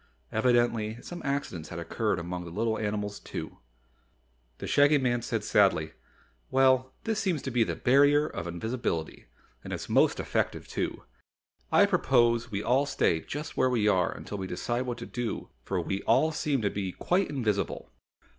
Evidently some accidents had occurred among the little animals, too. The Shaggy Man said sadly, "Well, this seems to be the Barrier of Invisibility, and it's most effective too. I propose we all stay just where we are until we decide what to do for we all seem to be quite invisible."